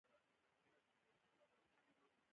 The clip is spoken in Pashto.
افغانستان سیندونو کې طلا بهیږي 😱